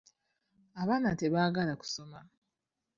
Abaana tebagala kusoma.